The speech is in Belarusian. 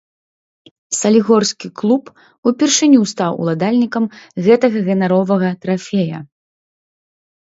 Салігорскі клуб упершыню стаў уладальнікам гэтага ганаровага трафея.